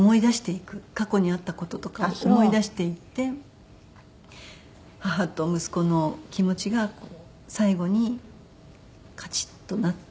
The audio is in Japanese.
過去にあった事とかを思い出していって母と息子の気持ちが最後にカチッとなっていくっていう。